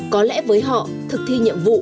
có lẽ với họ thực thi nhiệm vụ